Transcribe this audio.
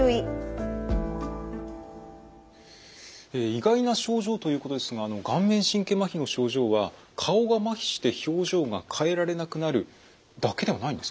意外な症状ということですが顔面神経まひの症状は顔がまひして表情が変えられなくなるだけではないんですか？